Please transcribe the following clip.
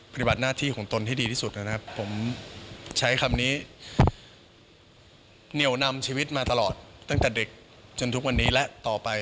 ปฏิบัติหน้าที่ของตนให้ดีที่สุดนะครับผมใช้คำนี้เหนียวนำชีวิตมาตลอดตั้งแต่เด็กจนทุกวันนี้และต่อไป